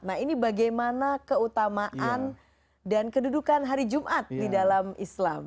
nah ini bagaimana keutamaan dan kedudukan hari jumat di dalam islam